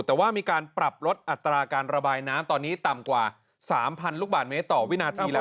แต่ว่ามีการปรับลดอัตราการระบายน้ำตอนนี้ต่ำกว่า๓๐๐ลูกบาทเมตรต่อวินาทีแล้ว